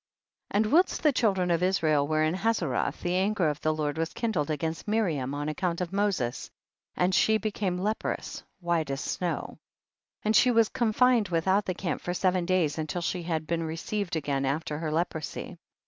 31. And whilst the children of Is rael were in Hazeroth, the anger of the Lord was kindled against Miriam on account of Moses, and she became leprous, iv/ute as snow. 32. And she was confined without the camp for seven days, until she had been received again after her leprosy.